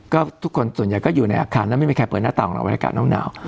ก็ทุกคนส่วนใหญ่ก็อยู่ในอาคารแล้วไม่มีใครเปิดหน้าต่างหรอกบรรยากาศหนาว